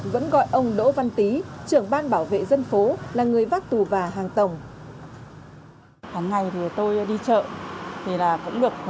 vẫn gọi ông đỗ văn tý trưởng ban bảo vệ dân phố là người vác tù và hàng tổng